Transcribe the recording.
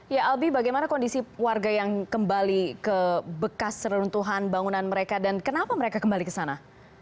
ya albi bagaimana kondisi warga yang kembali ke bekas seruntuhan bangunan mereka dan kenapa mereka kembali ke sana